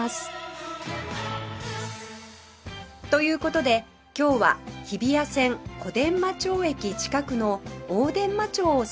という事で今日は日比谷線小伝馬町駅近くの大伝馬町を散歩します